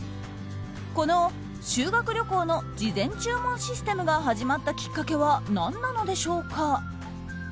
この修学旅行の事前注文システムが始まったきっかけは何なのでしょうか。